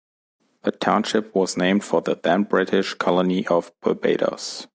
The township was named for the then-British colony of Barbados.